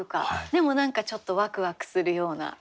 でも何かちょっとわくわくするような。